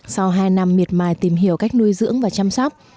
sau hai năm miệt mài tìm hiểu cách nuôi dưỡng và chăm sóc